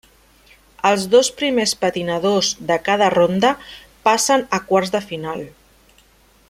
Els dos primers patinadors de cada ronda passen a quarts de final.